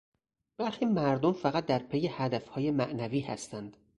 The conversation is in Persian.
برخی مردم فقط در پی هدفهای معنوی هستند.